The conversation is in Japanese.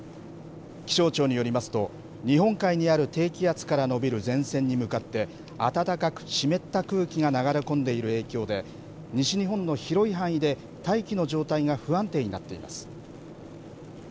気象庁によりますと、日本海にある低気圧から延びる前線に向かって、暖かく湿った空気が流れ込んでいる影響で、西日本の広い範囲で、大気の状態が不安定になっています。